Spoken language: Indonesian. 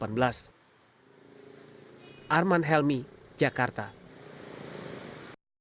pembangunan sky bridge ini bisa tuntas pada lima belas oktober dua ribu delapan belas